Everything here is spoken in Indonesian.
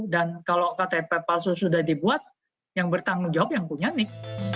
dan kalau ktp palsu sudah dibuat yang bertanggung jawab yang punya nick